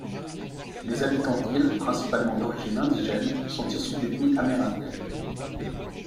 Les habitants d'Iles, principalement d'origine indigène, sont issus d'ethnies amérindiennes.